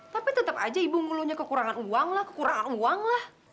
tapi tetap aja ibu nguluhnya kekurangan uang lah